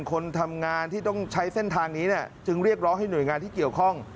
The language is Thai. คนทำงานที่ต้องใช้เส้นทางนี้จึงเรียกร้องให้หน่วยงานที่เกี่ยวข้อง